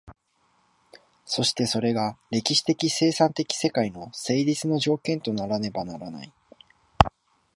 そしてそれが歴史的生産的世界の成立の条件とならねばならない。